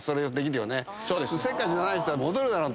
せっかちじゃない人は戻るだろうと思う。